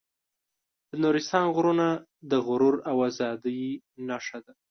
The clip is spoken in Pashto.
د نورستان غرونه د غرور او ازادۍ نښه ده.